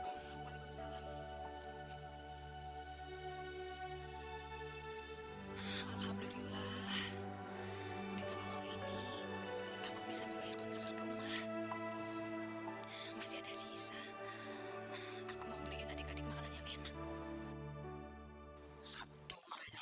aku bisa membayar kontrakan rumah